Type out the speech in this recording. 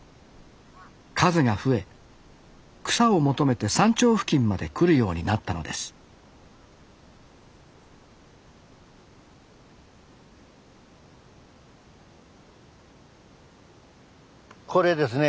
数が増え草を求めて山頂付近まで来るようになったのですこれですね。